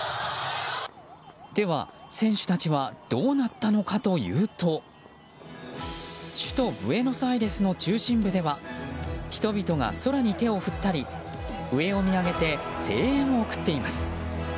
では、選手たちはどうなったのかというと首都ブエノスアイレスの中心部では人々が空に手を振ったり上を見上げて声援を送っています。